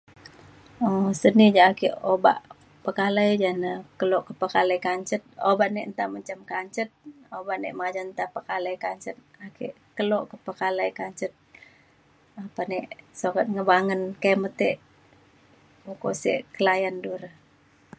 um seni ja ake obak pekalai ja na kelo pekalai kancet oban e nta menjam kancet oban e majan tai pekalai kancet ake kelo pa pekalai kancet apan e sukat ngebangen kimet e ukok sek layan du re